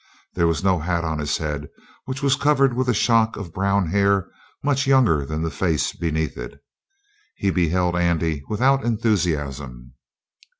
There was no hat on his head, which was covered with a shock of brown hair much younger than the face beneath it. He beheld Andy without enthusiasm.